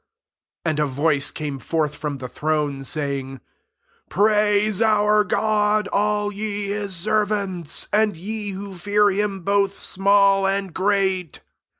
5 And a voice came forth from the throne, saying, " Praise our God, all ye his servants; and ye who fear him, both small and great."